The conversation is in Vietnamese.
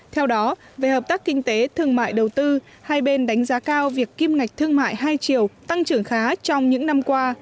theo đó về hợp tác kinh tế thương mại đầu tư hai bên đánh giá cao việc kim ngạch thương mại hai chiều tăng trưởng khá trong những năm qua